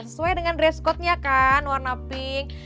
sesuai dengan dress code nya kan warna pink